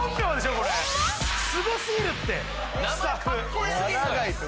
これすごすぎるって名前かっこよ